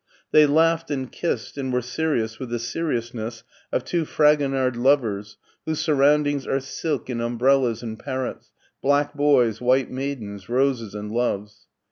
They laughed and kissed, and were serious with the seriousness of two Fragonard lovers whose sur roundings are silk and umbrellas and parrots, black boys, white maidens, roses, and loves.